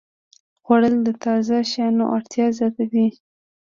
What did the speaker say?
خوړل د تازه شیانو اړتیا زیاتوي